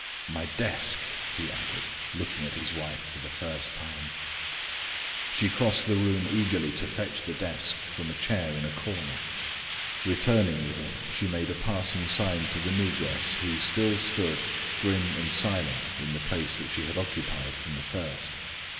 My desk," he added, looking at his wife for the first time. She crossed the room eagerly to fetch the desk from a chair in a corner. Returning with it, she made a passing sign to the negress, who still stood, grim and silent, in the place that she had occupied from the first.